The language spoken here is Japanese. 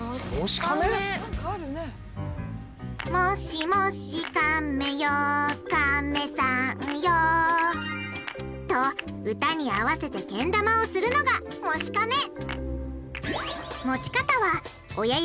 「もしもしかめよかめさんよ」と歌に合わせてけん玉をするのが「もしかめ」！